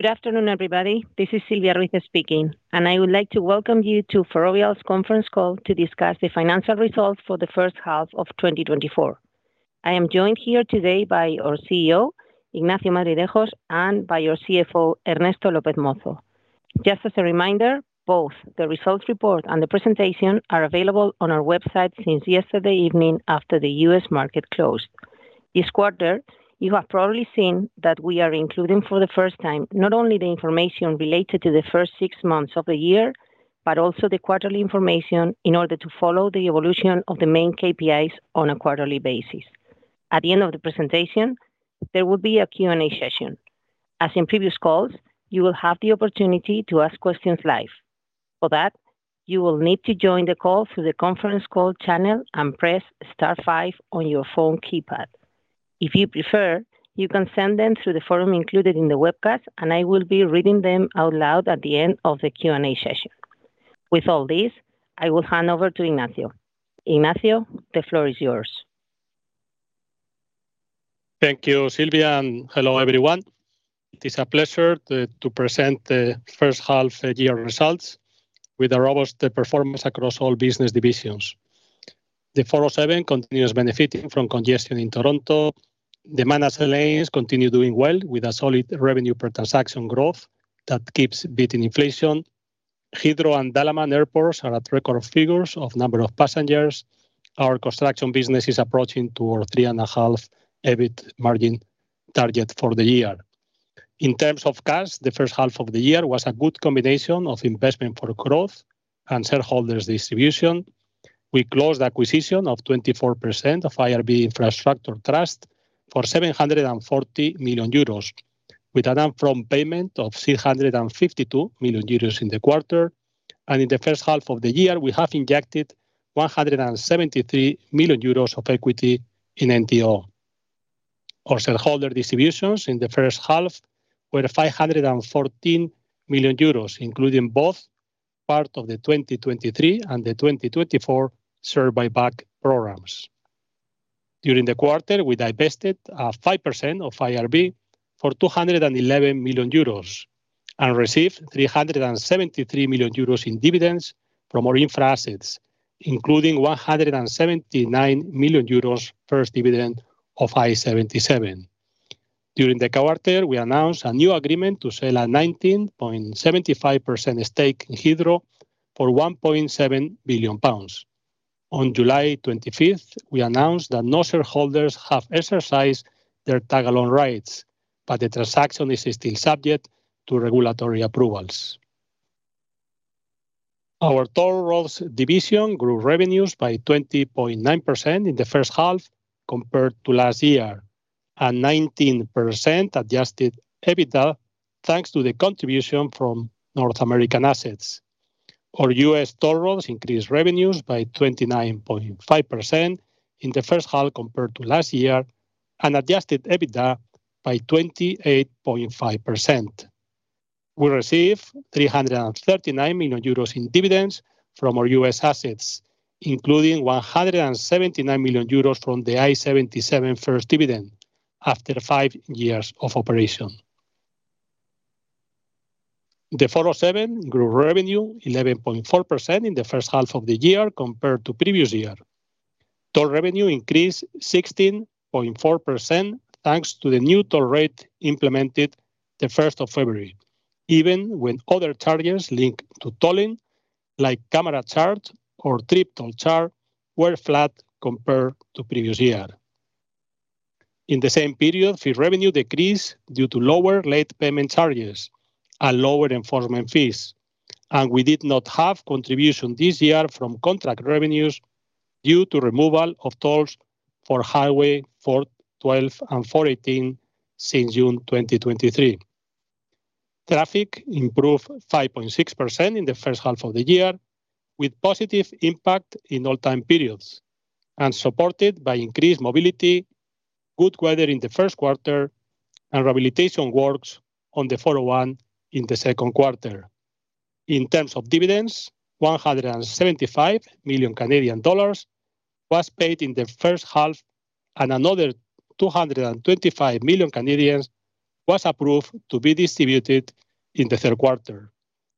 Good afternoon, everybody. This is Silvia Ruiz speaking, and I would like to welcome you to Ferrovial's conference call to discuss the financial results for the first half of 2024. I am joined here today by our CEO, Ignacio Madridejos, and by our CFO, Ernesto López Mozo. Just as a reminder, both the results report and the presentation are available on our website since yesterday evening after the U.S. market closed. This quarter, you have probably seen that we are including for the first time not only the information related to the first six months of the year, but also the quarterly information in order to follow the evolution of the main KPIs on a quarterly basis. At the end of the presentation, there will be a Q&A session. As in previous calls, you will have the opportunity to ask questions live. For that, you will need to join the call through the conference call channel and press *5 on your phone keypad. If you prefer, you can send them through the form included in the webcast, and I will be reading them out loud at the end of the Q&A session. With all this, I will hand over to Ignacio. Ignacio, the floor is yours. Thank you, Silvia, and hello, everyone. It is a pleasure to present the first half-year results with robust performance across all business divisions. The 407 continues benefiting from congestion in Toronto. The managed lanes continue doing well with a solid revenue per transaction growth that keeps beating inflation. Heathrow and Dalaman Airports are at record figures of number of passengers. Our construction business is approaching toward 3.5 EBIT margin target for the year. In terms of cash, the first half of the year was a good combination of investment for growth and shareholders' distribution. We closed the acquisition of 24% of IRB Infrastructure Trust for 740 million euros, with an upfront payment of 652 million euros in the quarter. In the first half of the year, we have injected 173 million euros of equity in NTO. Our shareholder distributions in the first half were €514 million, including both part of the 2023 and the 2024 share buyback programs. During the quarter, we divested 5% of IRB for €211 million and received €373 million in dividends from our infra assets, including €179 million first dividend of I-77. During the quarter, we announced a new agreement to sell a 19.75% stake in Heathrow for £1.7 billion. On July 25, we announced that no shareholders have exercised their tag-along rights, but the transaction is still subject to regulatory approvals. Our Toll division grew revenues by 20.9% in the first half compared to last year, and 19% adjusted EBITDA thanks to the contribution from North American assets. Our U.S. Toll increased revenues by 29.5% in the first half compared to last year, and adjusted EBITDA by 28.5%. We received €339 million in dividends from our US assets, including €179 million from the I-77 first dividend after five years of operation. The 407 grew revenue 11.4% in the first half of the year compared to previous year. Toll revenue increased 16.4% thanks to the new toll rate implemented the 1st of February, even when other charges linked to tolling, like camera charge or trip toll charge, were flat compared to previous year. In the same period, fee revenue decreased due to lower late payment charges and lower enforcement fees, and we did not have contribution this year from contract revenues due to removal of tolls for Highway 412 and 418 since June 2023. Traffic improved 5.6% in the first half of the year, with positive impact in all-time periods, and supported by increased mobility, good weather in the first quarter, and rehabilitation works on the 401 in the second quarter. In terms of dividends, 175 million Canadian dollars was paid in the first half, and another 225 million was approved to be distributed in the third quarter.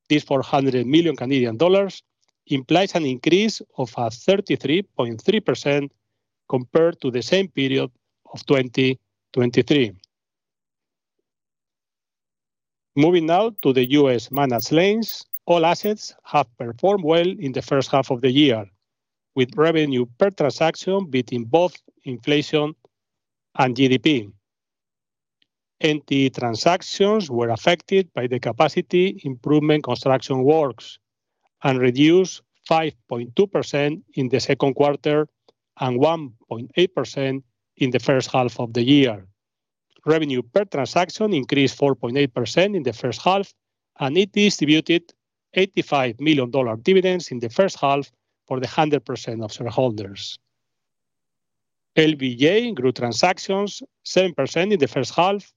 This 400 million Canadian dollars implies an increase of 33.3% compared to the same period of 2023. Moving now to the U.S. managed lanes, all assets have performed well in the first half of the year, with revenue per transaction beating both inflation and GDP. NTE transactions were affected by the capacity improvement construction works and reduced 5.2% in the second quarter and 1.8% in the first half of the year. Revenue per transaction increased 4.8% in the first half, and it distributed $85 million dividends in the first half for the 100% of shareholders. LBJ grew transactions 7% in the first half,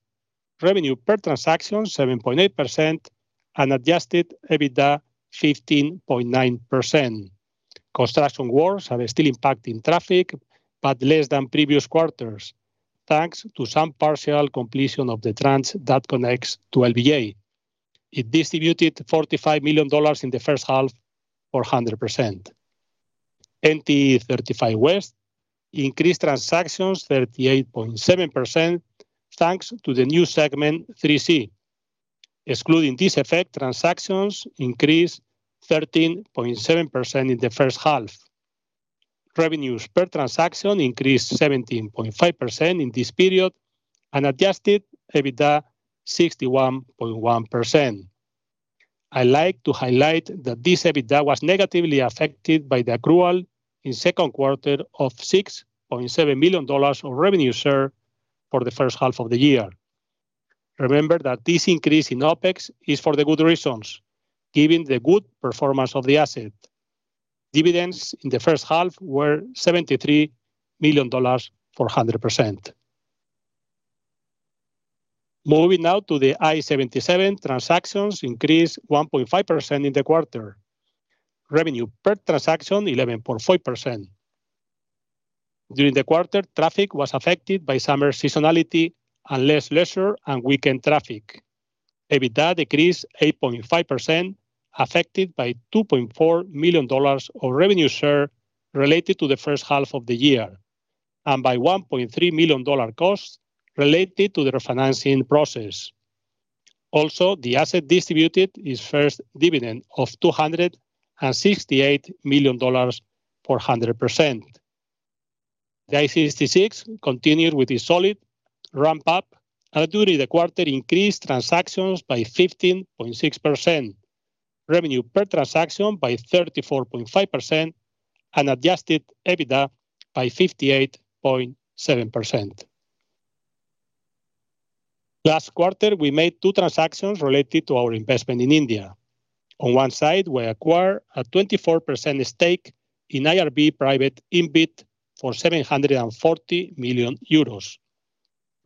revenue per transaction 7.8%, and Adjusted EBITDA 15.9%. Construction works are still impacting traffic, but less than previous quarters, thanks to some partial completion of the tranche that connects to LBJ. It distributed $45 million in the first half for 100%. NTE 35W increased transactions 38.7% thanks to the new Segment 3C. Excluding this effect, transactions increased 13.7% in the first half. Revenues per transaction increased 17.5% in this period and Adjusted EBITDA 61.1%. I'd like to highlight that this EBITDA was negatively affected by the accrual in the second quarter of $6.7 million of revenue share for the first half of the year. Remember that this increase in OpEx is for the good reasons, given the good performance of the asset. Dividends in the first half were $73 million for 100%. Moving now to the I-77, transactions increased 1.5% in the quarter. Revenue per transaction 11.5%. During the quarter, traffic was affected by summer seasonality and less leisure and weekend traffic. EBITDA decreased 8.5%, affected by $2.4 million of revenue share related to the first half of the year, and by $1.3 million costs related to the refinancing process. Also, the asset distributed its first dividend of $268 million for 100%. The I-66 continued with a solid ramp-up, and during the quarter, increased transactions by 15.6%, revenue per transaction by 34.5%, and adjusted EBITDA by 58.7%. Last quarter, we made two transactions related to our investment in India. On one side, we acquired a 24% stake in IRB private InvIT for €740 million.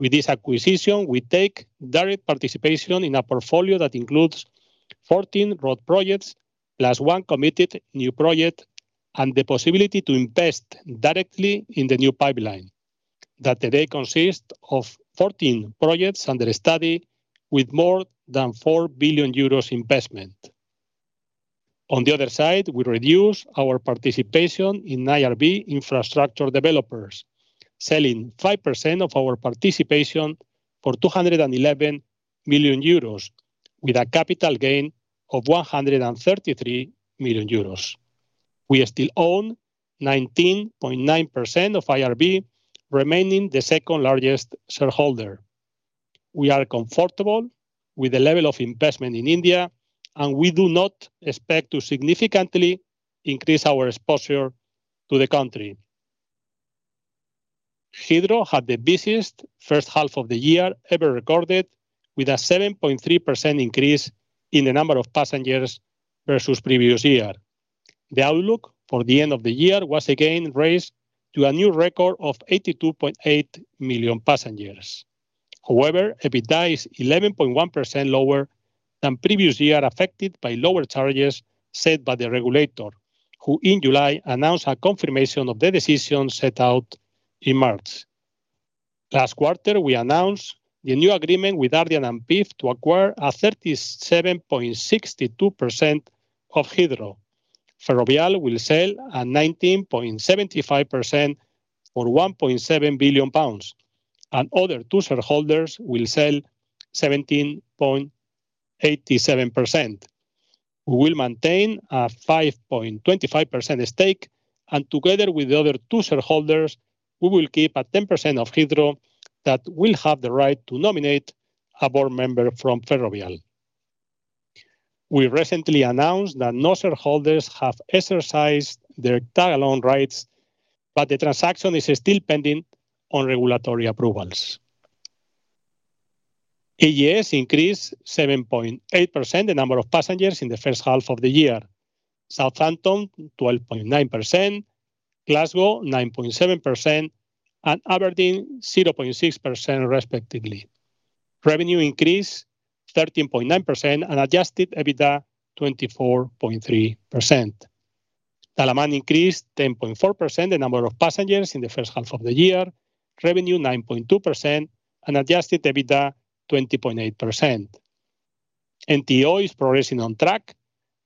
With this acquisition, we take direct participation in a portfolio that includes 14 road projects plus one committed new project and the possibility to invest directly in the new pipeline. That today consists of 14 projects under study with more than 4 billion euros investment. On the other side, we reduce our participation in IRB Infrastructure Developers, selling 5% of our participation for 211 million euros, with a capital gain of 133 million euros. We still own 19.9% of IRB, remaining the second-largest shareholder. We are comfortable with the level of investment in India, and we do not expect to significantly increase our exposure to the country. Heathrow had the busiest first half of the year ever recorded, with a 7.3% increase in the number of passengers versus previous year. The outlook for the end of the year was again raised to a new record of 82.8 million passengers. However, EBITDA is 11.1% lower than previous year, affected by lower charges set by the regulator, who in July announced a confirmation of the decision set out in March. Last quarter, we announced the new agreement with Ardian and PIF to acquire a 37.62% of Heathrow. Ferrovial will sell a 19.75% for £1.7 billion, and other two shareholders will sell 17.87%. We will maintain a 5.25% stake, and together with the other two shareholders, we will keep a 10% of Heathrow that will have the right to nominate a board member from Ferrovial. We recently announced that no shareholders have exercised their tag-along rights, but the transaction is still pending on regulatory approvals. AGS increased 7.8% the number of passengers in the first half of the year. Southampton 12.9%, Glasgow 9.7%, and Aberdeen 0.6%, respectively. Revenue increased 13.9% and adjusted EBITDA 24.3%. Dalaman increased 10.4% the number of passengers in the first half of the year, revenue 9.2%, and adjusted EBITDA 20.8%. NTO is progressing on track,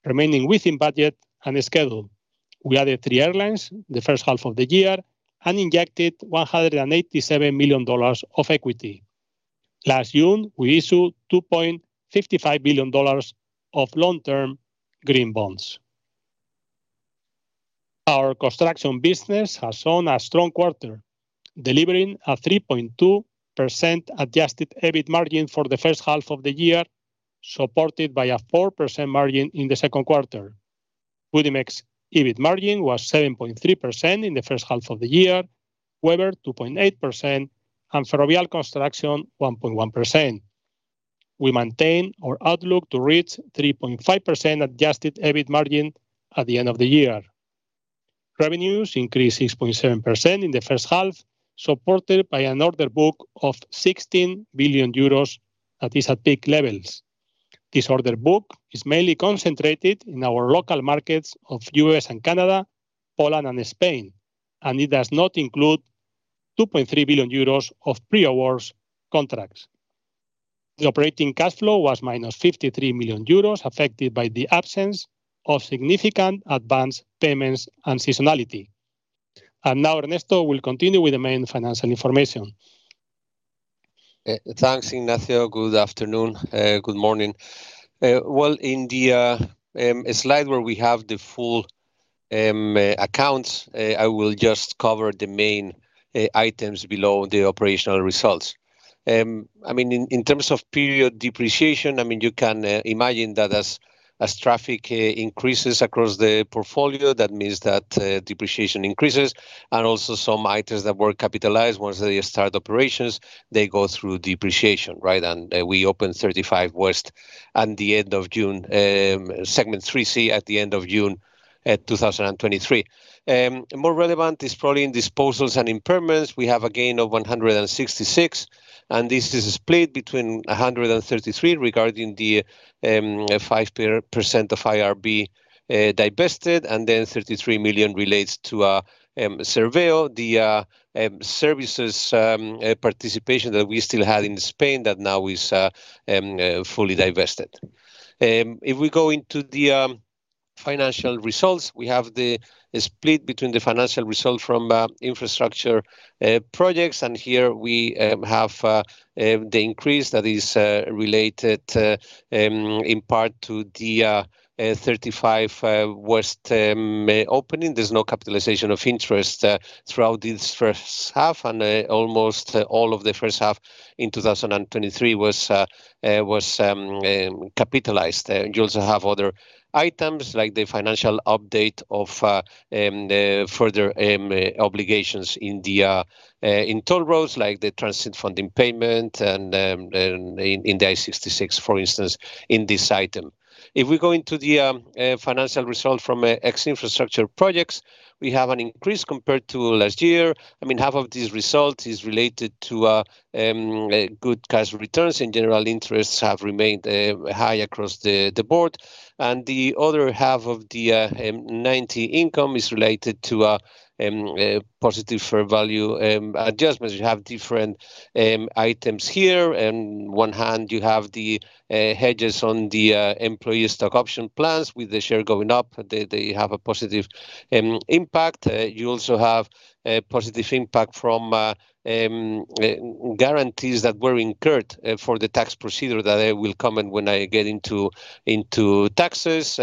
remaining within budget and schedule. We added three airlines the first half of the year and injected $187 million of equity. Last June, we issued $2.55 billion of long-term green bonds. Our construction business has shown a strong quarter, delivering a 3.2% adjusted EBIT margin for the first half of the year, supported by a 4% margin in the second quarter. Budimex EBIT margin was 7.3% in the first half of the year, Webber 2.8%, and Ferrovial Construction 1.1%. We maintain our outlook to reach 3.5% adjusted EBIT margin at the end of the year. Revenues increased 6.7% in the first half, supported by an order book of €16 billion that is at peak levels. This order book is mainly concentrated in our local markets of the U.S. and Canada, Poland, and Spain, and it does not include 2.3 billion euros of pre-awards contracts. The operating cash flow was minus 53 million euros, affected by the absence of significant advance payments and seasonality. Now, Ernesto, we'll continue with the main financial information. Thanks, Ignacio. Good afternoon. Good morning. Well, in the slide where we have the full accounts, I will just cover the main items below the operational results. I mean, in terms of period depreciation, I mean, you can imagine that as traffic increases across the portfolio, that means that depreciation increases, and also some items that were capitalized once they start operations, they go through depreciation, right? We opened 35 West at the end of June, segment 3C at the end of June 2023. More relevant is probably in disposals and impairments. We have a gain of 166 million, and this is split between 133 million regarding the 5% of IRB divested, and then 33 million relates to Serveo, the services participation that we still had in Spain that now is fully divested. If we go into the financial results, we have the split between the financial result from infrastructure projects, and here we have the increase that is related in part to the 35W opening. There's no capitalization of interest throughout this first half, and almost all of the first half in 2023 was capitalized. You also have other items like the financial update of further obligations in Toronto, like the transit funding payment and in the I-66, for instance, in this item. If we go into the financial result from ex-infrastructure projects, we have an increase compared to last year. I mean, half of this result is related to good cash returns. In general, interests have remained high across the board, and the other half of the net income is related to positive fair value adjustments. You have different items here. On one hand, you have the hedges on the employee stock option plans with the share going up. They have a positive impact. You also have a positive impact from guarantees that were incurred for the tax procedure that I will comment when I get into taxes.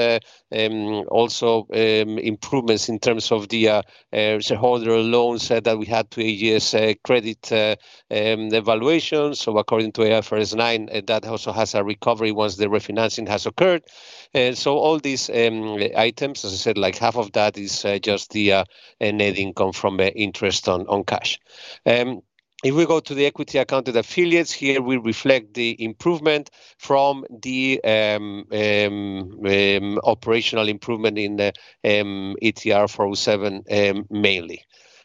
Also, improvements in terms of the shareholder loans that we had to AGS credit evaluation. So, according to IFRS 9, that also has a recovery once the refinancing has occurred. So, all these items, as I said, like half of that is just the net income from interest on cash. If we go to the equity accounted affiliates, here we reflect the improvement from the operational improvement in 407 ETR mainly.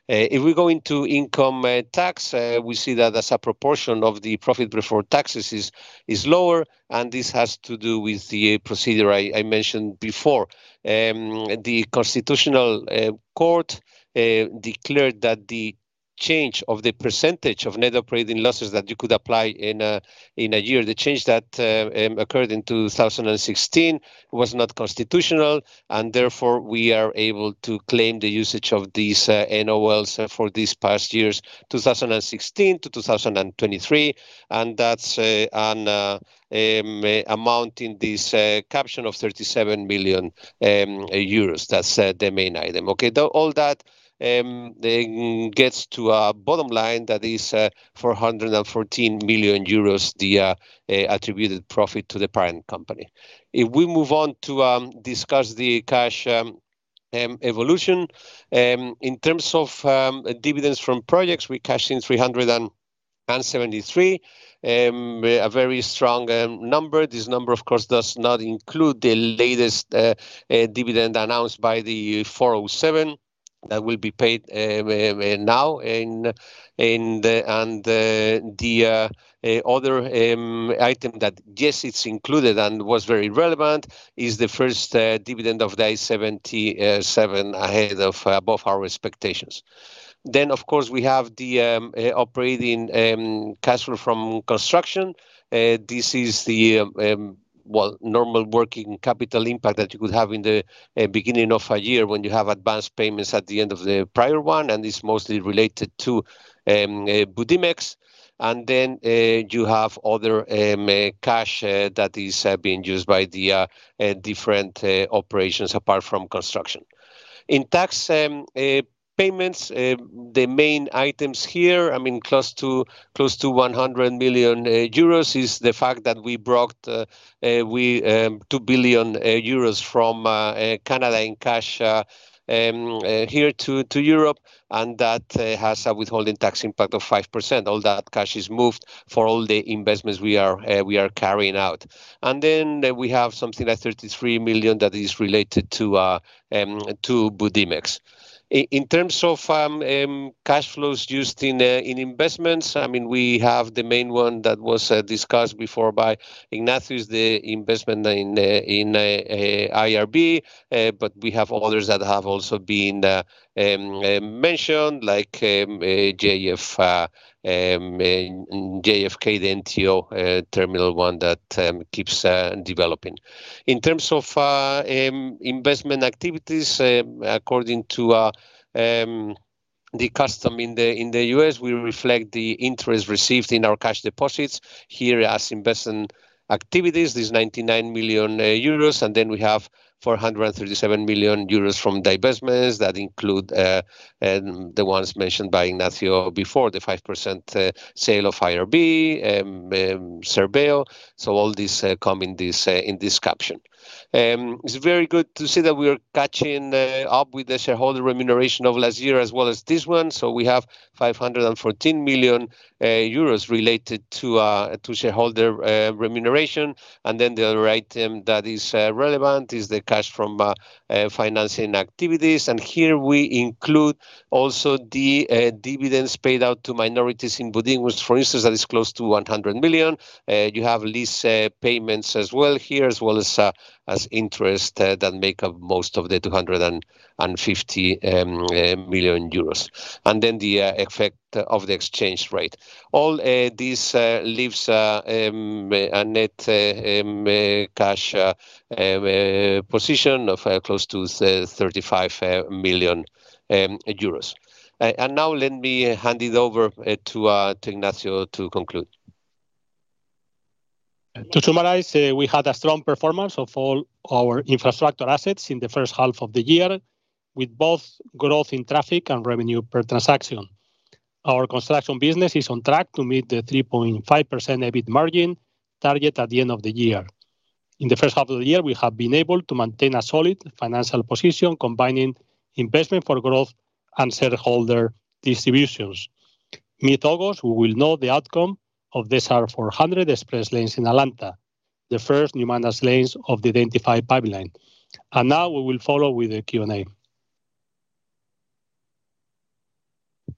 If we go into income tax, we see that as a proportion of the profit before taxes is lower, and this has to do with the procedure I mentioned before. The Constitutional Court declared that the change of the percentage of net operating losses that you could apply in a year, the change that occurred in 2016, was not constitutional, and therefore we are able to claim the usage of these NOLs for these past years, 2016 to 2023, and that's an amount in this caption of 37 million euros. That's the main item. Okay, all that gets to a bottom line that is 414 million euros, the attributed profit to the parent company. If we move on to discuss the cash evolution, in terms of dividends from projects, we cashed in 373 million, a very strong number. This number, of course, does not include the latest dividend announced by the 407 that will be paid now. And the other item that, yes, it's included and was very relevant is the first dividend of the I-77 ahead of above our expectations. Then, of course, we have the operating cash flow from construction. This is the normal working capital impact that you could have in the beginning of a year when you have advance payments at the end of the prior one, and it's mostly related to Budimex. And then you have other cash that is being used by the different operations apart from construction. In tax payments, the main items here, I mean, close to €100 million is the fact that we brought €2 billion from Canada in cash here to Europe, and that has a withholding tax impact of 5%. All that cash is moved for all the investments we are carrying out. And then we have something like €33 million that is related to Budimex. In terms of cash flows used in investments, I mean, we have the main one that was discussed before by Ignacio, the investment in IRB, but we have others that have also been mentioned, like JFK, the New Terminal One that keeps developing. In terms of investment activities, according to the custom in the US, we reflect the interest received in our cash deposits here as investment activities, this 99 million euros, and then we have 437 million euros from divestments that include the ones mentioned by Ignacio before, the 5% sale of IRB, Serveo. So, all these come in this caption. It's very good to see that we are catching up with the shareholder remuneration of last year as well as this one. So, we have 514 million euros related to shareholder remuneration. And then the other item that is relevant is the cash from financing activities. And here we include also the dividends paid out to minorities in Budimex, for instance, that is close to 100 million. You have lease payments as well here, as well as interest that make up most of the 250 million euros. And then the effect of the exchange rate. All this leaves a net cash position of close to €35 million. Now let me hand it over to Ignacio to conclude. To summarize, we had a strong performance of all our infrastructure assets in the first half of the year, with both growth in traffic and revenue per transaction. Our construction business is on track to meet the 3.5% EBIT margin target at the end of the year. In the first half of the year, we have been able to maintain a solid financial position, combining investment for growth and shareholder distributions. Mid-August, we will know the outcome of the SR 400 Express Lanes in Atlanta, the first new managed lanes of the identified pipeline. Now we will follow with the Q&A.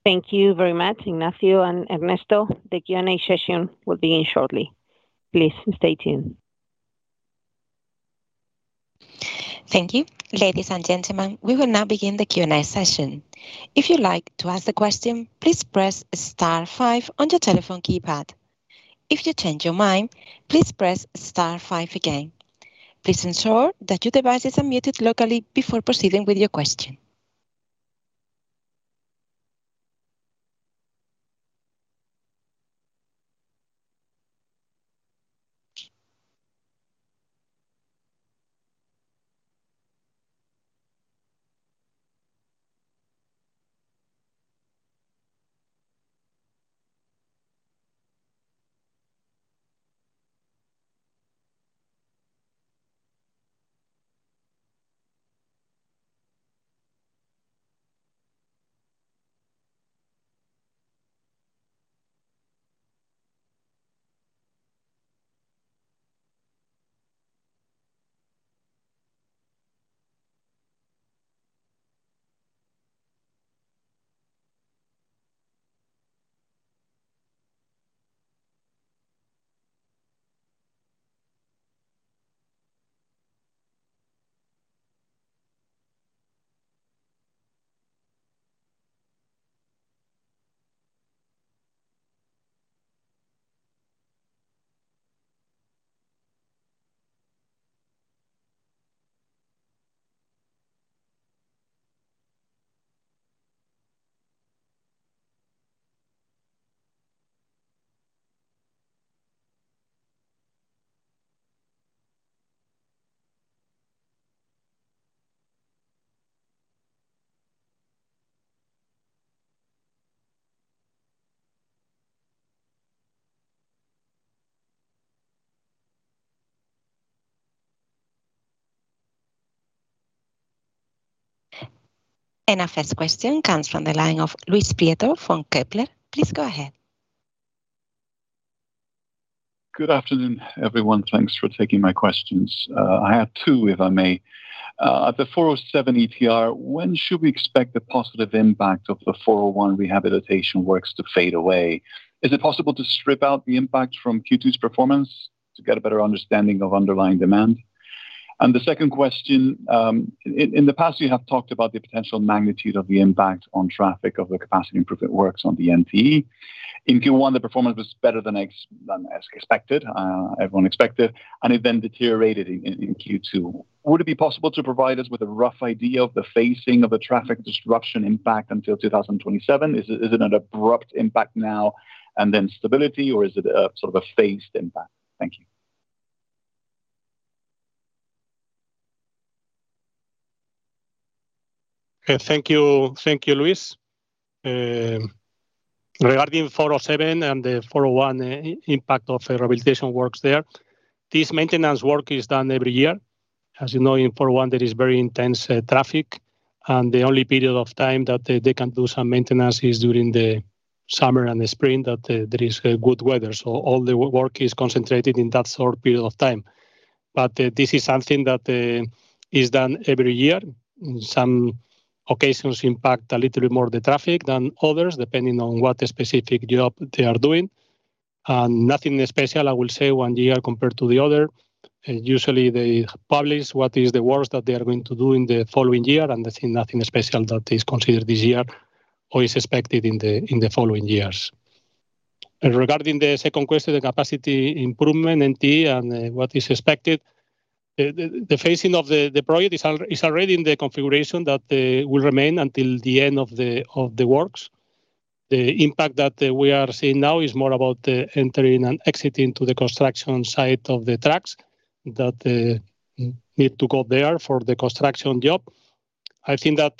Thank you very much, Ignacio and Ernesto. The Q&A session will begin shortly. Please stay tuned. Thank you, ladies and gentlemen. We will now begin the Q&A session. If you'd like to ask a question, please press star five on your telephone keypad. If you change your mind, please press star five again. Please ensure that your device is unmuted locally before proceeding with your question. Our first question comes from the line of Luis Prieto from Kepler. Please go ahead. Good afternoon, everyone. Thanks for taking my questions. I have two, if I may. The 407 ETR, when should we expect the positive impact of the 401 rehabilitation works to fade away? Is it possible to strip out the impact from Q2's performance to get a better understanding of underlying demand? And the second question, in the past, you have talked about the potential magnitude of the impact on traffic of the capacity improvement works on the NTE. In Q1, the performance was better than expected, everyone expected, and it then deteriorated in Q2. Would it be possible to provide us with a rough idea of the phasing of the traffic disruption impact until 2027? Is it an abrupt impact now and then stability, or is it sort of a phased impact? Thank you. Thank you, Luis. Regarding 407 and the 401 impact of rehabilitation works there, this maintenance work is done every year. As you know, in 401, there is very intense traffic, and the only period of time that they can do some maintenance is during the summer and the spring that there is good weather. So, all the work is concentrated in that short period of time. But this is something that is done every year. In some occasions, it impacts a little bit more the traffic than others, depending on what specific job they are doing. Nothing special, I will say, one year compared to the other. Usually, they publish what is the work that they are going to do in the following year, and there's nothing special that is considered this year or is expected in the following years. Regarding the second question, the capacity improvement NTE and what is expected, the phasing of the project is already in the configuration that will remain until the end of the works. The impact that we are seeing now is more about entering and exiting to the construction site of the tracks that need to go there for the construction job. I think that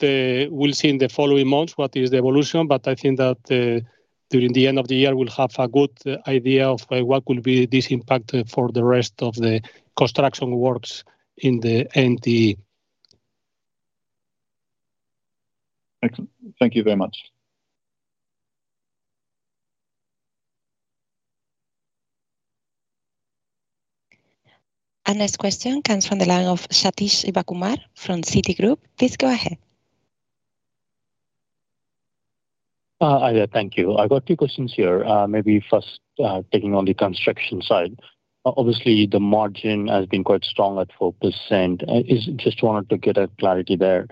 we'll see in the following months what is the evolution, but I think that during the end of the year, we'll have a good idea of what will be this impact for the rest of the construction works in the NTE. Excellent. Thank you very much. And this question comes from the line of Sathish Sivakumar from Citi. Please go ahead. Thank you. I've got two questions here. Maybe first, taking on the construction side. Obviously, the margin has been quite strong at 4%. I just wanted to get clarity there.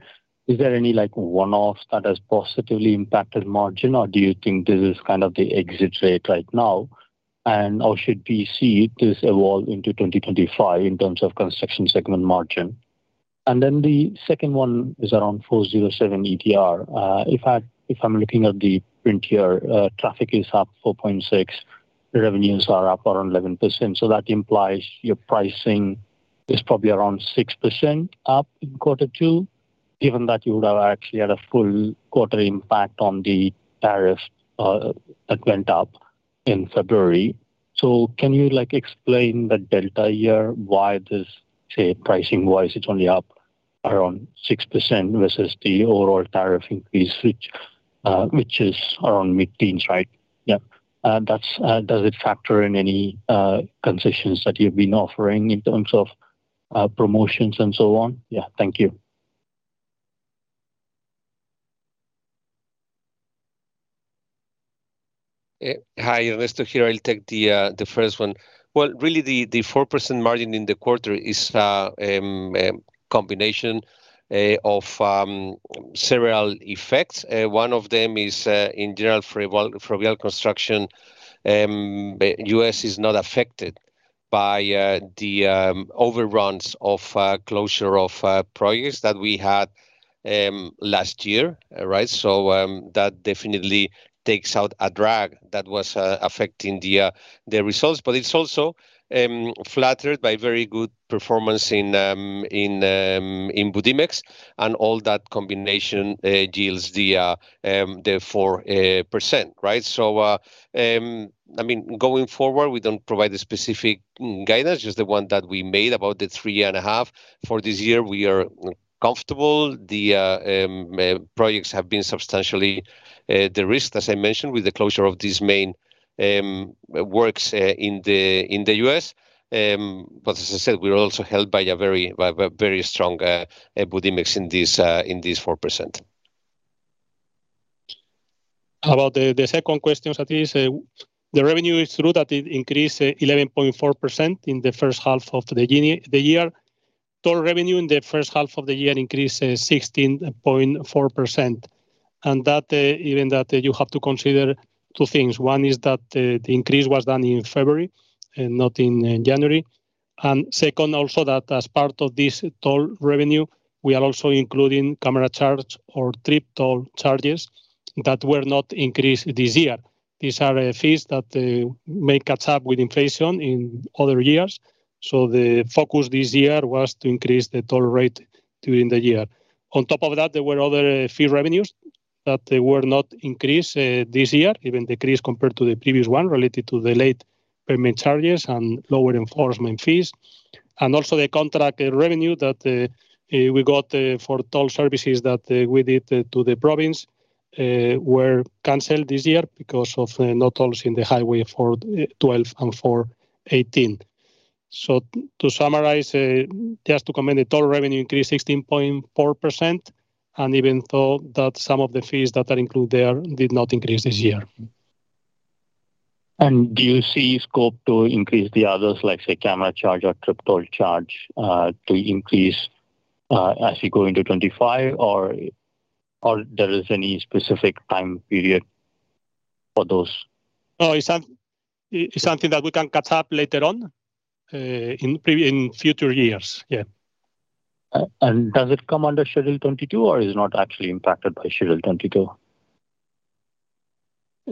Is there any one-off that has positively impacted margin, or do you think this is kind of the exit rate right now? And should we see this evolve into 2025 in terms of construction segment margin? And then the second one is around 407 ETR. If I'm looking at the print here, traffic is up 4.6%, revenues are up around 11%. So that implies your pricing is probably around 6% up in quarter two, given that you would have actually had a full quarter impact on the tariff that went up in February. So can you explain the delta year? Why this, say, pricing-wise, it's only up around 6% versus the overall tariff increase, which is around mid-teens, right? Yeah. Does it factor in any concessions that you've been offering in terms of promotions and so on? Yeah. Thank you. Hi, Ernesto. I'll take the first one. Well, really, the 4% margin in the quarter is a combination of several effects. One of them is, in general, for real construction, the US is not affected by the overruns of closure of projects that we had last year, right? So that definitely takes out a drag that was affecting the results. But it's also flattered by very good performance in Budimex, and all that combination yields the 4%, right? So, I mean, going forward, we don't provide a specific guidance, just the one that we made about the 3.5 for this year. We are comfortable. The projects have been substantially de-risked, as I mentioned, with the closure of these main works in the U.S. But as I said, we're also held by a very strong Budimex in this 4%. About the second question, Satish, the revenue is true that it increased 11.4% in the first half of the year. Total revenue in the first half of the year increased 16.4%. And even that, you have to consider two things. One is that the increase was done in February and not in January. Second, also that as part of this toll revenue, we are also including camera charge or trip toll charges that were not increased this year. These are fees that may catch up with inflation in other years. So the focus this year was to increase the toll rate during the year. On top of that, there were other fee revenues that were not increased this year, even decreased compared to the previous one related to the late payment charges and lower enforcement fees. And also the contract revenue that we got for toll services that we did to the province were canceled this year because of no tolls in the Highway 412 and 418. So to summarize, just to comment, the toll revenue increased 16.4%, and even though that some of the fees that are included there did not increase this year. Do you see scope to increase the others, like say, camera charge or trip toll charge, to increase as you go into 2025, or there is any specific time period for those? No, it's something that we can catch up later on in future years. Yeah. Does it come under Schedule 22, or is it not actually impacted by Schedule 22?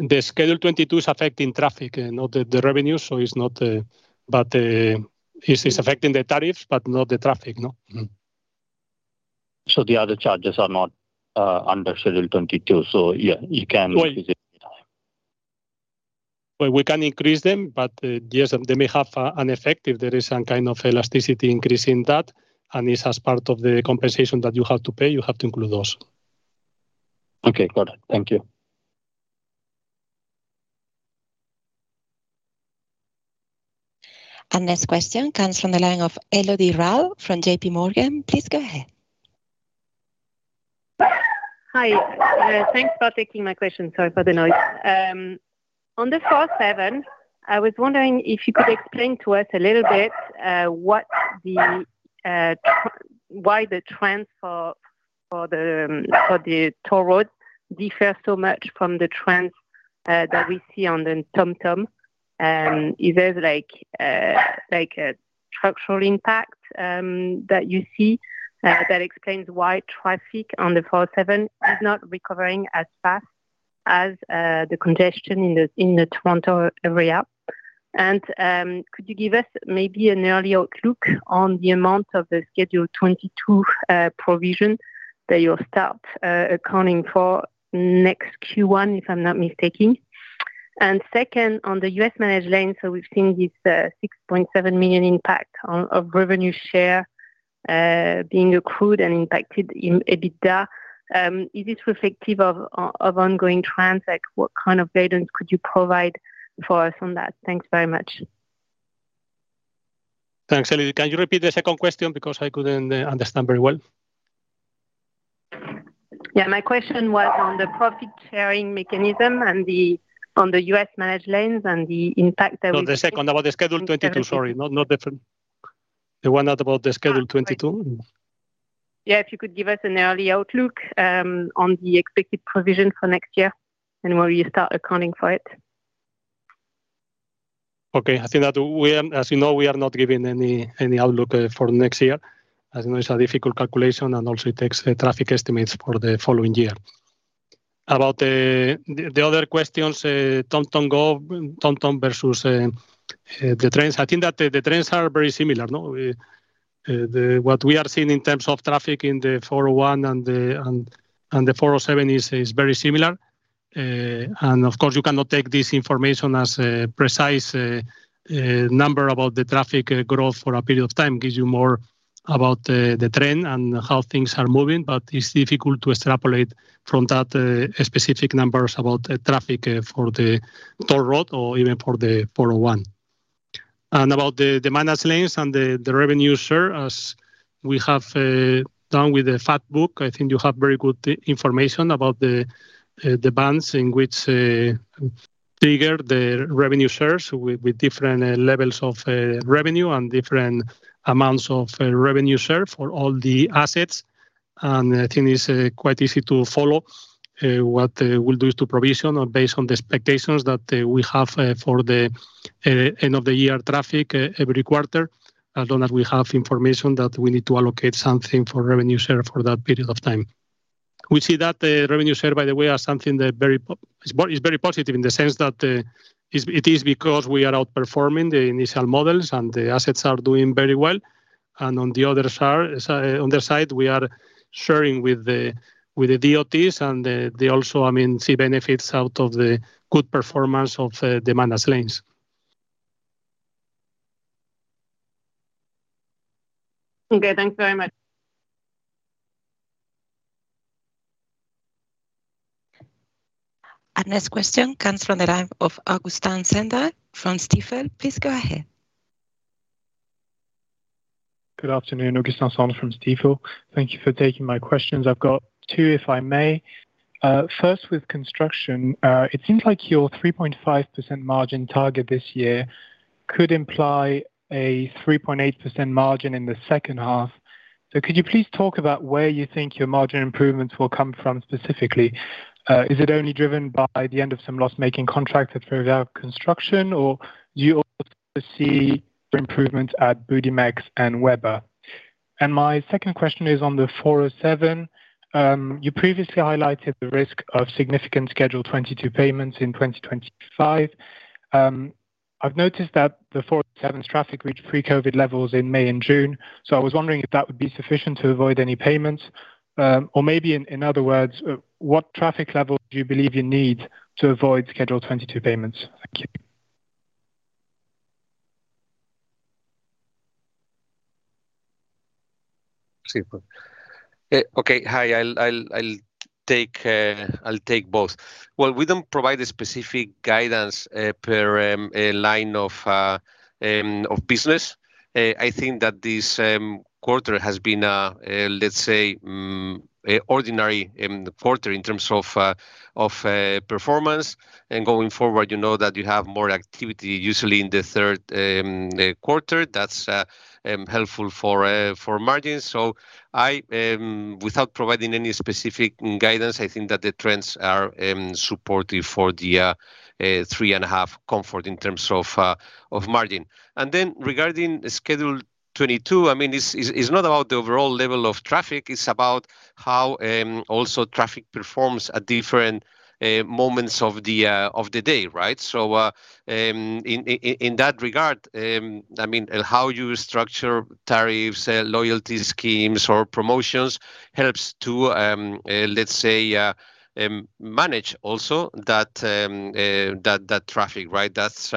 The Schedule 22 is affecting traffic and not the revenue, so it's not, but it's affecting the tariffs, but not the traffic, no? The other charges are not under Schedule 22. Yeah, you can increase it anytime. Well, we can increase them, but yes, they may have an effect if there is some kind of elasticity increase in that, and it's as part of the compensation that you have to pay. You have to include those. Okay. Got it. Thank you. And this question comes from the line of Elodie Rall from J.P. Morgan. Please go ahead. Hi. Thanks for taking my question. Sorry for the noise. On the 407, I was wondering if you could explain to us a little bit why the trends for the toll roads differ so much from the trends that we see on the TomTom. Is there a structural impact that you see that explains why traffic on the 407 is not recovering as fast as the congestion in the Toronto area? And could you give us maybe an earlier look on the amount of the Schedule 22 provision that you'll start accounting for next Q1, if I'm not mistaken? And second, on the U.S.-managed lanes, so we've seen this 6.7 million impact of revenue share being accrued and impacted in EBITDA. Is this reflective of ongoing trends? What kind of guidance could you provide for us on that? Thanks very much. Thanks, Elodie. Can you repeat the second question because I couldn't understand very well? Yeah. My question was on the profit-sharing mechanism and the U.S. Managed Lanes and the impact that we see. No, the second about the Schedule 22, sorry. Not the one about the Schedule 22. Yeah. If you could give us an early outlook on the expected provision for next year and where you start accounting for it. Okay. I think that, as you know, we are not giving any outlook for next year. As you know, it's a difficult calculation, and also it takes traffic estimates for the following year. About the other questions, TomTom versus the trends, I think that the trends are very similar. What we are seeing in terms of traffic in the 401 and the 407 is very similar. And of course, you cannot take this information as a precise number about the traffic growth for a period of time. It gives you more about the trend and how things are moving, but it's difficult to extrapolate from that specific numbers about traffic for the toll road or even for the 401. And about the managed lanes and the revenue share, as we have done with the Factbook, I think you have very good information about the bands in which trigger the revenue shares with different levels of revenue and different amounts of revenue share for all the assets. And I think it's quite easy to follow. What we'll do is to provision based on the expectations that we have for the end-of-the-year traffic every quarter, as long as we have information that we need to allocate something for revenue share for that period of time. We see that revenue share, by the way, is something that is very positive in the sense that it is because we are outperforming the initial models, and the assets are doing very well. And on the other side, we are sharing with the DOTs, and they also, I mean, see benefits out of the good performance of the managed lanes. Okay. Thanks very much. And this question comes from the line of Augustin Cendre from Stifel. Please go ahead. Good afternoon. Augustin Cendre from Stifel. Thank you for taking my questions. I've got two, if I may. First, with construction, it seems like your 3.5% margin target this year could imply a 3.8% margin in the second half. So could you please talk about where you think your margin improvements will come from specifically? Is it only driven by the end of some loss-making contract at Ferrovial Construction, or do you also see improvements at Budimex and Webber? And my second question is on the 407. You previously highlighted the risk of significant Schedule 22 payments in 2025. I've noticed that the 407's traffic reached pre-COVID levels in May and June, so I was wondering if that would be sufficient to avoid any payments. Or maybe, in other words, what traffic level do you believe you need to avoid Schedule 22 payments? Thank you. Okay. Hi. I'll take both. Well, we don't provide a specific guidance per line of business. I think that this quarter has been, let's say, ordinary quarter in terms of performance. And going forward, you know that you have more activity usually in the third quarter. That's helpful for margins. Without providing any specific guidance, I think that the trends are supportive for the 3.5 comfort in terms of margin. And then regarding Schedule 22, I mean, it's not about the overall level of traffic. It's about how also traffic performs at different moments of the day, right? So in that regard, I mean, how you structure tariffs, loyalty schemes, or promotions helps to, let's say, manage also that traffic, right? That's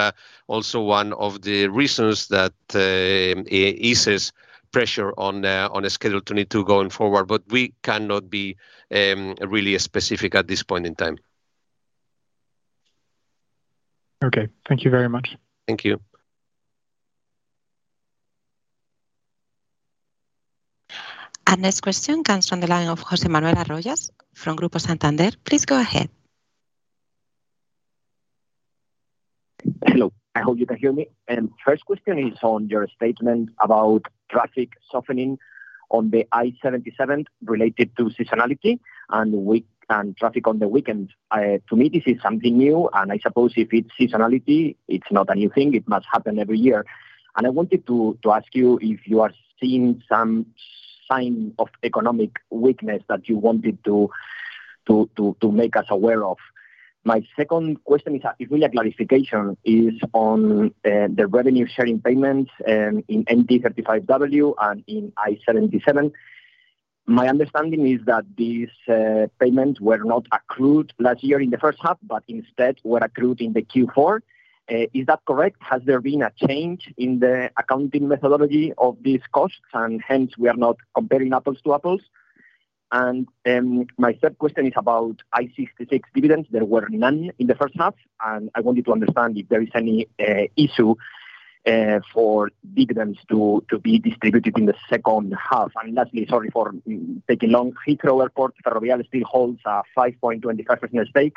also one of the reasons that eases pressure on Schedule 22 going forward. But we cannot be really specific at this point in time. Okay. Thank you very much. Thank you. And this question comes from the line of José Manuel Arroyas from Grupo Santander. Please go ahead. Hello. I hope you can hear me. First question is on your statement about traffic softening on the I-77 related to seasonality and traffic on the weekend. To me, this is something new, and I suppose if it's seasonality, it's not a new thing. It must happen every year. And I wanted to ask you if you are seeing some sign of economic weakness that you wanted to make us aware of. My second question is really a clarification on the revenue-sharing payments in NT35W and in I-77. My understanding is that these payments were not accrued last year in the first half, but instead were accrued in the Q4. Is that correct? Has there been a change in the accounting methodology of these costs, and hence we are not comparing apples to apples? And my third question is about I-66 dividends. There were none in the first half, and I wanted to understand if there is any issue for dividends to be distributed in the second half. Lastly, sorry for taking long. Heathrow Airport, Ferrovial still holds a 5.25% stake.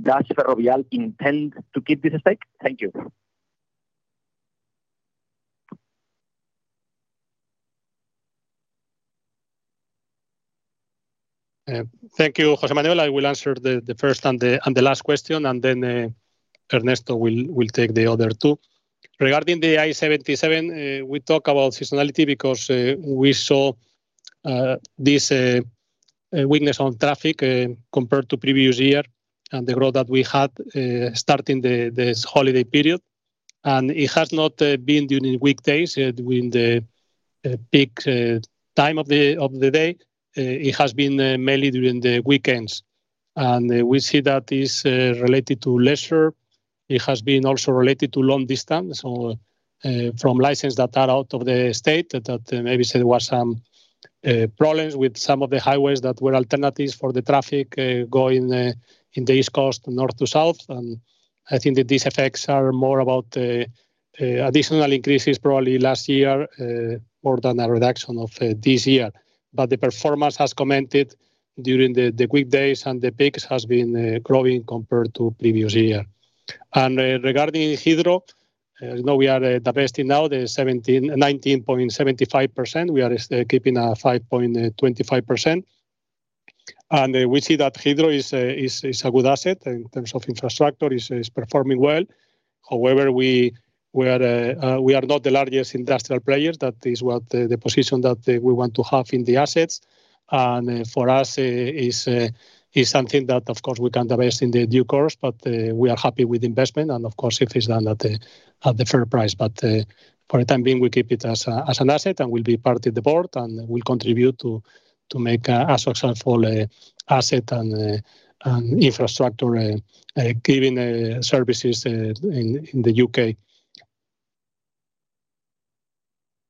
Does Ferrovial intend to keep this stake? Thank you. Thank you, José Manuel. I will answer the first and the last question, and then Ernesto will take the other two. Regarding the I-77, we talk about seasonality because we saw this weakness on traffic compared to previous year and the growth that we had starting this holiday period. And it has not been during weekdays, during the peak time of the day. It has been mainly during the weekends. And we see that it's related to leisure. It has been also related to long distance from licenses that are out of the state that maybe there were some problems with some of the highways that were alternatives for the traffic going in the East Coast north to south. I think that these effects are more about additional increases probably last year more than a reduction of this year. But the performance, as commented, during the weekdays and the peaks has been growing compared to previous year. Regarding Heathrow, as you know, we are divesting now 19.75%. We are keeping a 5.25%. And we see that Heathrow is a good asset in terms of infrastructure. It's performing well. However, we are not the largest industrial players. That is what the position that we want to have in the assets. For us, it's something that, of course, we can divest in the due course, but we are happy with the investment. And of course, if it's done at the fair price. But for the time being, we keep it as an asset, and we'll be part of the board, and we'll contribute to make a successful asset and infrastructure giving services in the UK.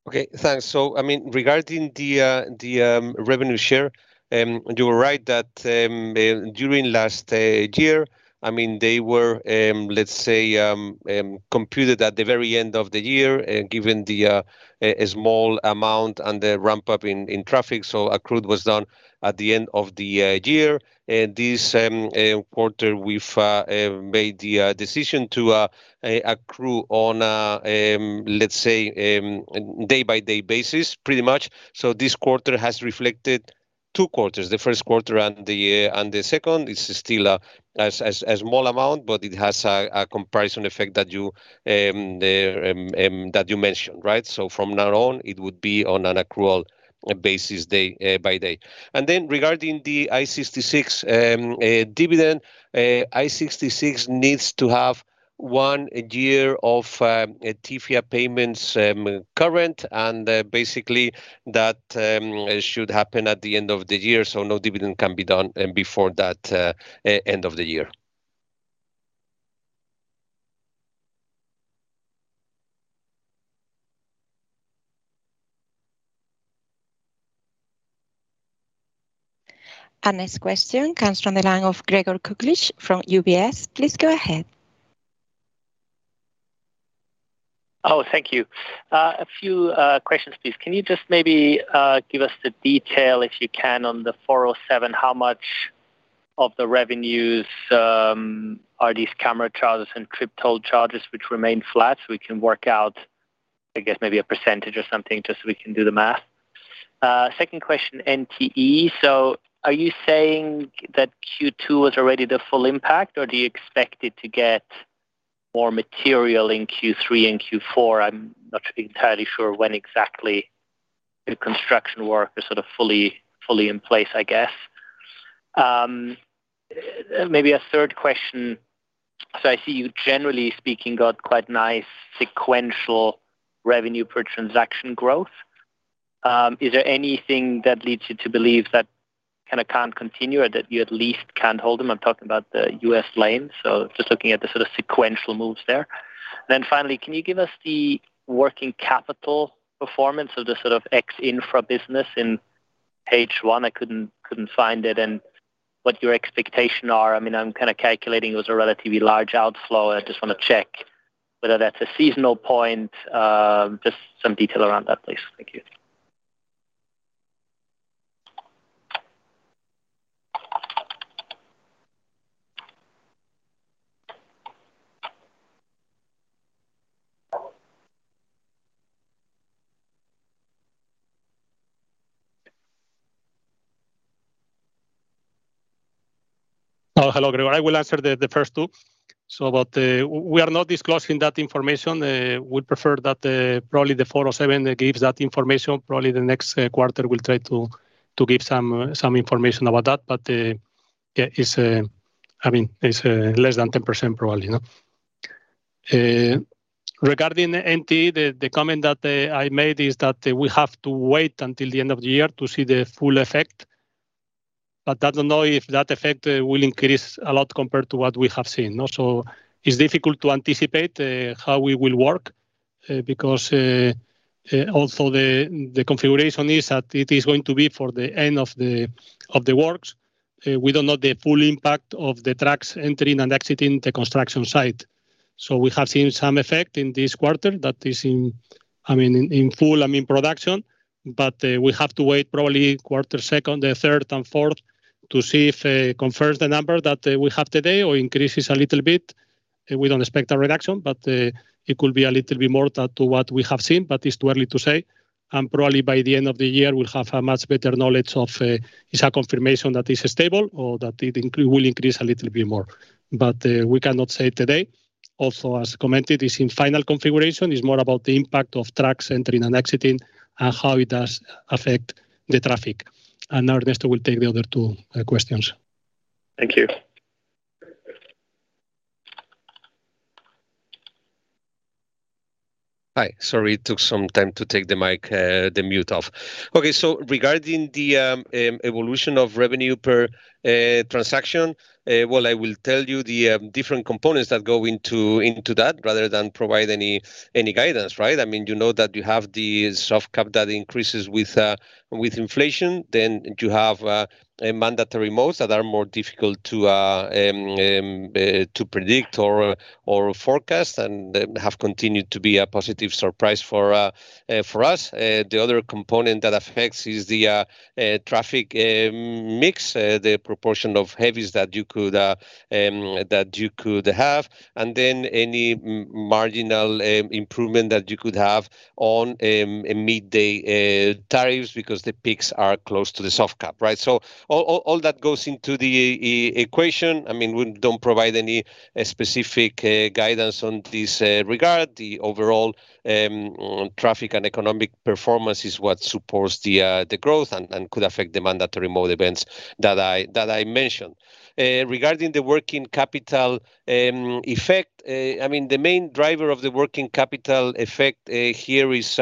Okay. Thanks. So I mean, regarding the revenue share, you were right that during last year, I mean, they were, let's say, computed at the very end of the year given the small amount and the ramp-up in traffic. So accrued was done at the end of the year. And this quarter, we've made the decision to accrue on a, let's say, day-by-day basis, pretty much. So this quarter has reflected two quarters, the first quarter and the second. It's still a small amount, but it has a comparison effect that you mentioned, right? So from now on, it would be on an accrual basis day by day. And then regarding the I-66 dividend, I-66 needs to have one year of TIFIA payments current, and basically, that should happen at the end of the year. So no dividend can be done before that end of the year. And this question comes from the line of Gregor Kuglisch from UBS. Please go ahead. Oh, thank you. A few questions, please. Can you just maybe give us the detail, if you can, on the 407, how much of the revenues are these camera charges and trip toll charges which remain flat? So we can work out, I guess, maybe a percentage or something just so we can do the math. Second question, NTE. So are you saying that Q2 was already the full impact, or do you expect it to get more material in Q3 and Q4? I'm not entirely sure when exactly the construction work is sort of fully in place, I guess. Maybe a third question. So I see you, generally speaking, got quite nice sequential revenue per transaction growth. Is there anything that leads you to believe that kind of can't continue or that you at least can't hold them? I'm talking about the U.S. lane. So just looking at the sort of sequential moves there. And then finally, can you give us the working capital performance of the sort of ex-infra business in page one? I couldn't find it. And what your expectations are? I mean, I'm kind of calculating it was a relatively large outflow. I just want to check whether that's a seasonal point. Just some detail around that, please. Thank you. Hello, Gregor. I will answer the first two. So we are not disclosing that information. We prefer that probably the 407 gives that information. Probably the next quarter, we'll try to give some information about that. But yeah, I mean, it's less than 10%, probably. Regarding NTE, the comment that I made is that we have to wait until the end of the year to see the full effect. But I don't know if that effect will increase a lot compared to what we have seen. So it's difficult to anticipate how we will work because also the configuration is that it is going to be for the end of the works. We don't know the full impact of the tracks entering and exiting the construction site. So we have seen some effect in this quarter that is, I mean, in full, I mean, production. But we have to wait probably quarter second, third, and fourth to see if it confirms the number that we have today or increases a little bit. We don't expect a reduction, but it could be a little bit more to what we have seen, but it's too early to say. And probably by the end of the year, we'll have a much better knowledge of is a confirmation that it's stable or that it will increase a little bit more. But we cannot say today. Also, as commented, it's in final configuration. It's more about the impact of tracks entering and exiting and how it does affect the traffic. And now, Ernesto will take the other two questions. Thank you. Hi. Sorry, it took some time to take the mic, the mute off. Okay. So regarding the evolution of revenue per transaction, well, I will tell you the different components that go into that rather than provide any guidance, right? I mean, you know that you have the soft cap that increases with inflation. Then you have mandatory modes that are more difficult to predict or forecast and have continued to be a positive surprise for us. The other component that affects is the traffic mix, the proportion of heavies that you could have, and then any marginal improvement that you could have on mid-day tariffs because the peaks are close to the soft cap, right? So all that goes into the equation. I mean, we don't provide any specific guidance on this regard. The overall traffic and economic performance is what supports the growth and could affect the mandatory mode events that I mentioned. Regarding the working capital effect, I mean, the main driver of the working capital effect here is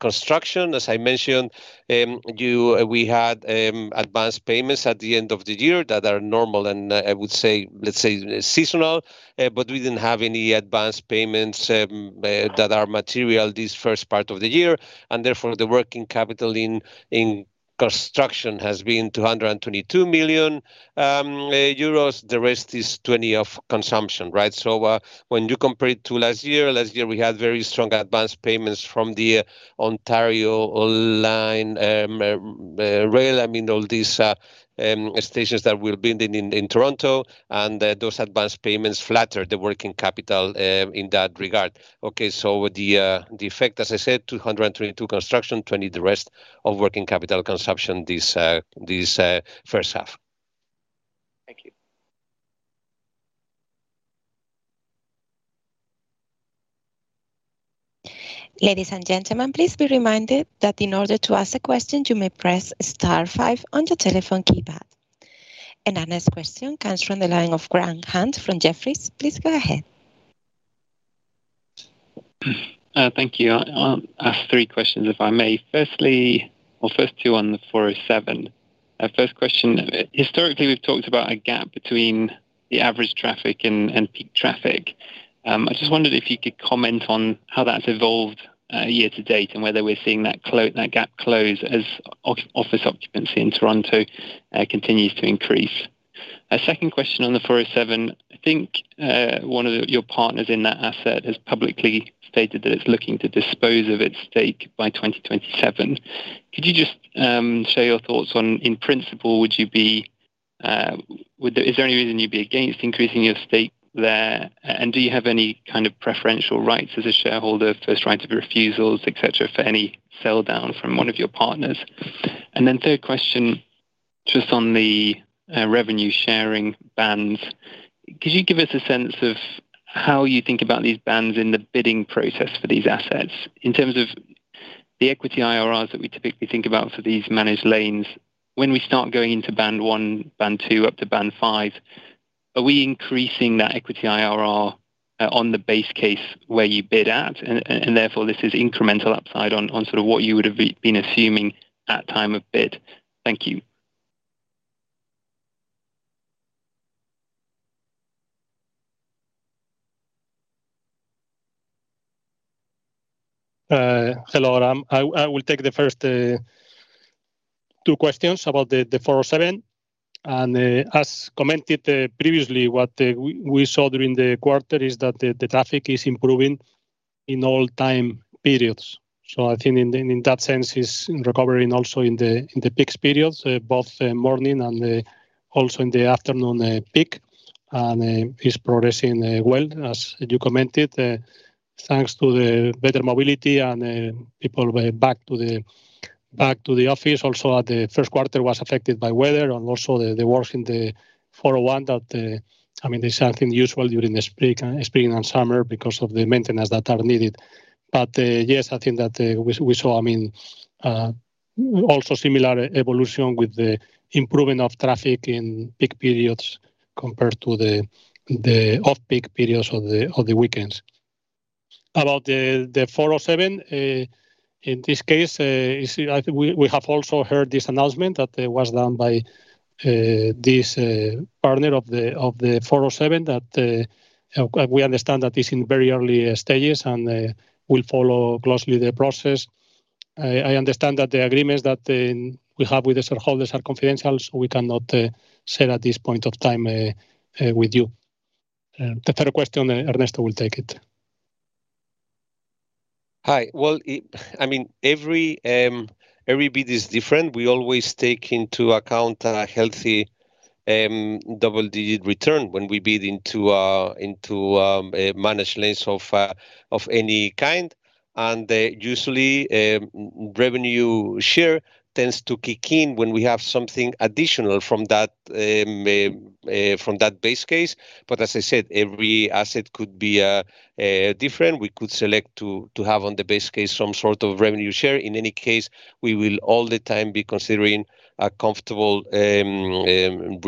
construction. As I mentioned, we had advanced payments at the end of the year that are normal and I would say, let's say, seasonal, but we didn't have any advanced payments that are material this first part of the year. Therefore, the working capital in construction has been 222 million euros. The rest is 20 million of consumption, right? So when you compare it to last year, last year, we had very strong advanced payments from the Ontario Line Rail. I mean, all these stations that we're building in Toronto. Those advanced payments flattened the working capital in that regard. Okay. The effect, as I said, 222 construction, 20 the rest of working capital consumption this first half. Thank you. Ladies and gentlemen, please be reminded that in order to ask a question, you may press star five on your telephone keypad. Our next question comes from the line of Graham Hunt from Jefferies. Please go ahead. Thank you. I'll ask three questions, if I may. Firstly, or first two on the 407. First question. Historically, we've talked about a gap between the average traffic and peak traffic. I just wondered if you could comment on how that's evolved year to date and whether we're seeing that gap close as office occupancy in Toronto continues to increase. Second question on the 407. I think one of your partners in that asset has publicly stated that it's looking to dispose of its stake by 2027. Could you just share your thoughts on, in principle, would you be is there any reason you'd be against increasing your stake there? And do you have any kind of preferential rights as a shareholder, first right of refusals, etc., for any sell-down from one of your partners? And then third question, just on the revenue-sharing bands, could you give us a sense of how you think about these bands in the bidding process for these assets? In terms of the equity IRRs that we typically think about for these managed lanes, when we start going into band one, band two, up to band five, are we increasing that equity IRR on the base case where you bid at? And therefore, this is incremental upside on sort of what you would have been assuming at time of bid. Thank you. Hello, Graham I will take the first two questions about the 407. As commented previously, what we saw during the quarter is that the traffic is improving in all time periods. I think in that sense, it's recovering also in the peak periods, both morning and also in the afternoon peak. It's progressing well, as you commented, thanks to the better mobility and people back to the office. Also, the first quarter was affected by weather and also the work in the 401 that, I mean, it's something usual during the spring and summer because of the maintenance that are needed. But yes, I think that we saw, I mean, also similar evolution with the improvement of traffic in peak periods compared to the off-peak periods of the weekends. About the 407, in this case, we have also heard this announcement that was done by this partner of the 407 that we understand that it's in very early stages and we'll follow closely the process. I understand that the agreements that we have with the shareholders are confidential, so we cannot share at this point of time with you. The third question, Ernesto will take it. Hi. Well, I mean, every bid is different. We always take into account a healthy double-digit return when we bid into managed lanes of any kind. And usually, revenue share tends to kick in when we have something additional from that base case. But as I said, every asset could be different. We could select to have on the base case some sort of revenue share. In any case, we will all the time be considering a comfortable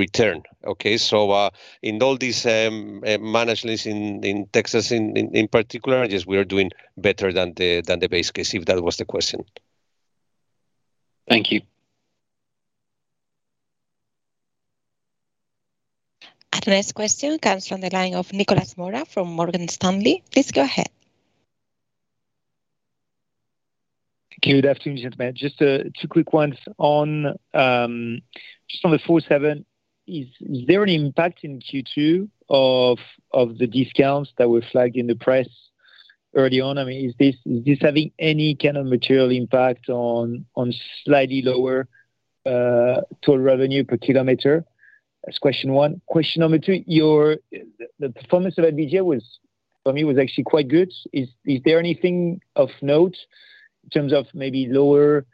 return. Okay? So in all these managed lanes in Texas, in particular, just we are doing better than the base case if that was the question. Thank you. And the next question comes from the line of Nicolas Mora from Morgan Stanley. Please go ahead. Thank you. Good afternoon, gentlemen. Just two quick ones. Just on the 407, is there an impact in Q2 of the discounts that were flagged in the press early on? I mean, is this having any kind of material impact on slightly lower total revenue per kilometer? That's question one. Question number two, the performance of NVDA for me was actually quite good. Is there anything of note in terms of maybe lower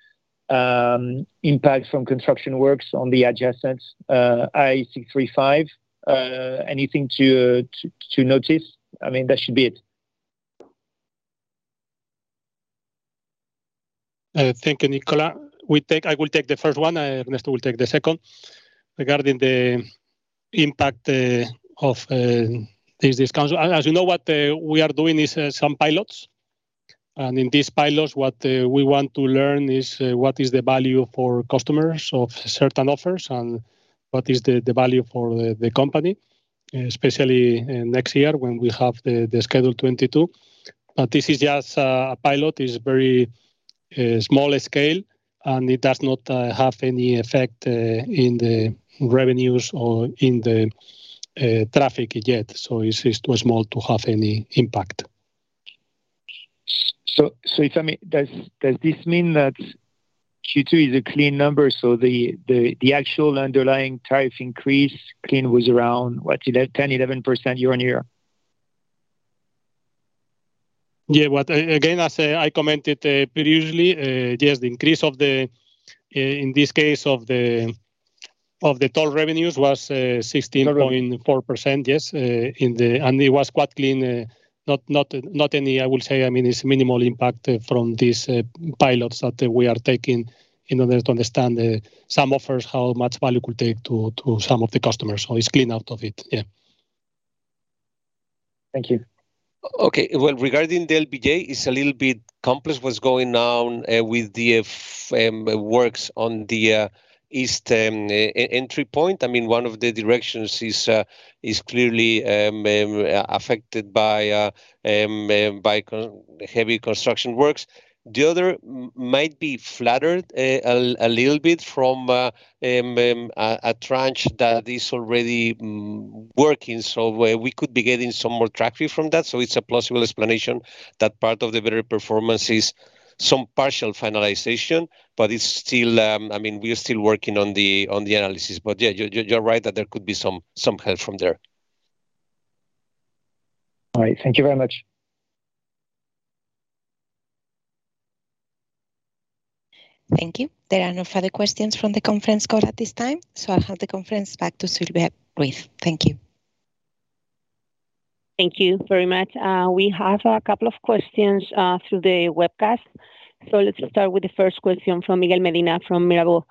impact from construction works on the adjacent I-635? Anything to notice? I mean, that should be it. Thank you, Nicolas. I will take the first one. Ernesto will take the second regarding the impact of these discounts. As you know, what we are doing is some pilots. And in these pilots, what we want to learn is what is the value for customers of certain offers and what is the value for the company, especially next year when we have the Schedule 22. But this is just a pilot. It's very small scale, and it does not have any effect in the revenues or in the traffic yet. So it's too small to have any impact. So does this mean that Q2 is a clean number? So the actual underlying tariff increase clean was around, what, 10%-11% year-on-year? Yeah. Again, as I commented previously, yes, the increase of the, in this case, of the toll revenues was 16.4%. Yes. And it was quite clean. Not any, I will say, I mean, it's minimal impact from these pilots that we are taking in order to understand some offers, how much value could take to some of the customers. So it's clean out of it. Yeah. Thank you. Okay. Well, regarding the LBJ, it's a little bit complex what's going on with the works on the east entry point. I mean, one of the directions is clearly affected by heavy construction works. The other might be flattered a little bit from a tranche that is already working. So we could be getting some more traction from that. So it's a plausible explanation that part of the better performance is some partial finalization, but it's still, I mean, we are still working on the analysis. But yeah, you're right that there could be some help from there. All right. Thank you very much. Thank you. There are no further questions from the conference call at this time. So I'll hand the conference back to Silvia Ruiz. Thank you. Thank you very much. We have a couple of questions through the webcast. So let's start with the first question from Miguel Medina from Mirabaud.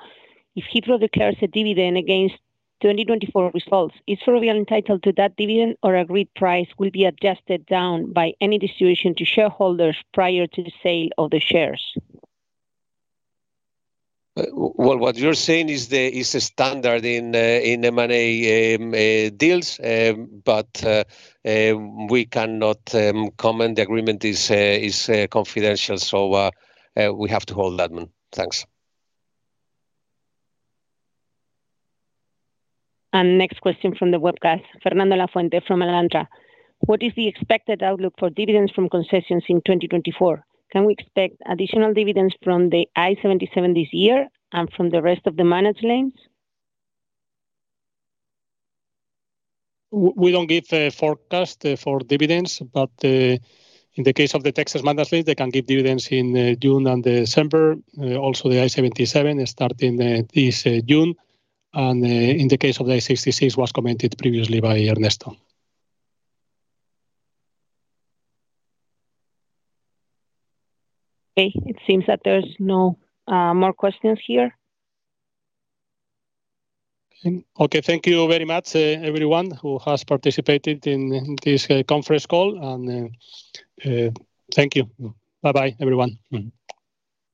If Heathrow declares a dividend against 2024 results, is seller entitled to that dividend or agreed price will be adjusted down by any distribution to shareholders prior to sale of the shares? Well, what you're saying is standard in M&A deals, but we cannot comment. The agreement is confidential, so we have to hold that one. Thanks. And next question from the webcast, Fernando Lafuente from Alantra. What is the expected outlook for dividends from concessions in 2024? Can we expect additional dividends from the I-77 this year and from the rest of the managed lanes? We don't give a forecast for dividends, but in the case of the Texas managed lanes, they can give dividends in June and December. Also, the I-77 is starting this June. And in the case of the I-66, it was commented previously by Ernesto. Okay. It seems that there's no more questions here. Okay. Thank you very much, everyone who has participated in this conference call. And thank you. Bye-bye, everyone.